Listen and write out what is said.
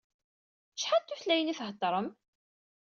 Acḥal n tutlayin i theddṛem?